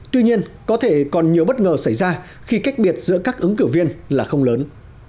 tuy nhiên có thể còn nhiều bất ngờ xảy ra khi cách biệt giữa các ứng cử viên là không lớn